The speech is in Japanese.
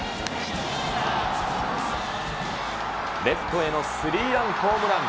レフトへのスリーランホームラン。